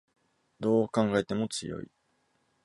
どう考えても強い